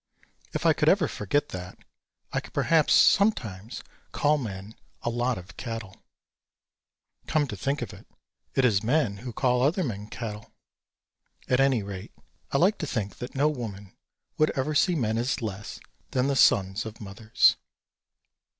If I could ever forget that, I could perhaps sometimes call men "a lot of cattle." Come to think of it, it is men who call other men "cattle." At any rate, I like to think that no woman would ever see men as less than the sons of mothers.